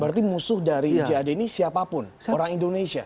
berarti musuh dari jad ini siapapun orang indonesia